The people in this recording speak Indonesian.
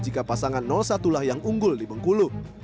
jika pasangan satu lah yang unggul di bengkulu